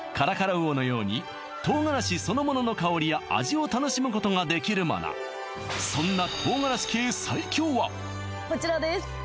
魚のように唐辛子そのものの香りや味を楽しむことができるものそんなこちらです